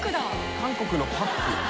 韓国のパック。